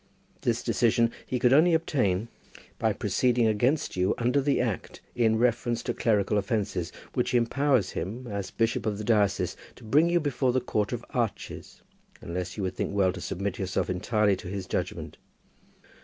This decision he could only obtain by proceeding against you under the Act in reference to clerical offences, which empowers him as bishop of the diocese to bring you before the Court of Arches, unless you would think well to submit yourself entirely to his judgment.